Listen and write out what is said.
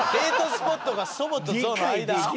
スポットが祖母とゾウの間？